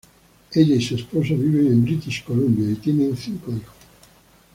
Ella y su esposo viven en British Columbia y tienen cinco hijos.